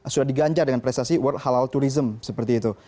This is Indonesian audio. sudah diganjar dengan prestasi world halal tourism seperti itu